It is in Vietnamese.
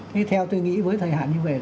thế theo tôi nghĩ với thời hạn như vậy